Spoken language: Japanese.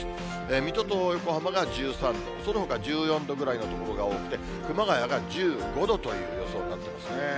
水戸と横浜が１３度、そのほか１４度ぐらいの所が多くて、熊谷が１５度という予想になってますね。